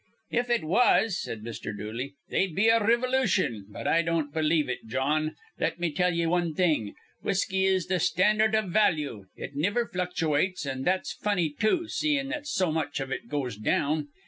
"If it was," said Mr. Dooley, "they'd be a rivolution. But I don't believe it, Jawn. Let me tell ye wan thing. Whisky is th' standard iv value. It niver fluctuates; an' that's funny, too, seein' that so much iv it goes down.